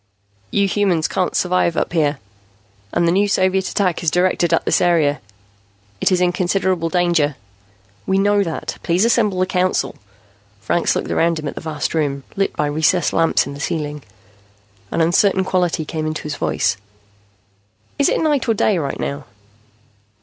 "You human beings can't survive up here. And the new Soviet attack is directed at this area. It is in considerable danger." "We know that. Please assemble the Council." Franks looked around him at the vast room, lit by recessed lamps in the ceiling. An uncertain quality came into his voice. "Is it night or day right now?"